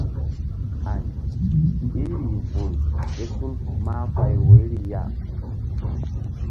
Ay í rih vul ké tul mahfay woyri ya.